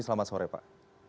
selamat sore pak